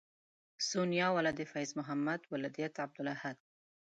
سونیا ولد فیض محمد ولدیت عبدالاحد